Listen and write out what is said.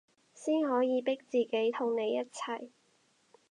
先可以逼自己同你一齊